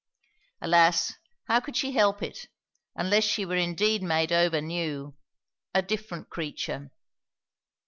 Alas, how could she help it, unless she were indeed made over new; a different creature.